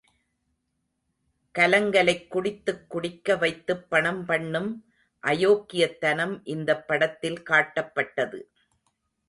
கலங்கலைக் குடித்துக் குடிக்க வைத்துப் பணம் பண்ணும் அயோக்கியத்தனம் இந்தப் படத்தில் காட்டப்பட்டது.